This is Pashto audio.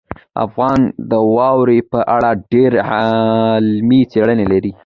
افغانستان د واورو په اړه ډېرې علمي څېړنې لري.